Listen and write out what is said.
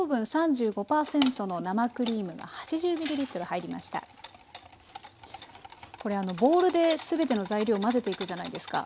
ここでこれボウルで全ての材料を混ぜていくじゃないですか。